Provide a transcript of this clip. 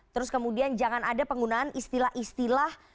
terus kemudian jangan ada penggunaan istilah istilah